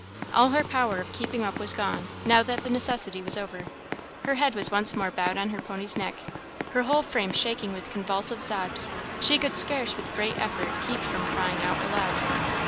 All her power of keeping up was gone, now that the necessity was over. Her head was once more bowed on her pony's neck, her whole frame shaking with convulsive sobs; she could scarce with great effort keep from crying out aloud.